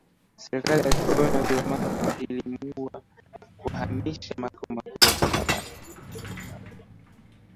Serikali ya kikoloni ya Kijerumani iliamua kuhamisha makao makuu ya utawala wake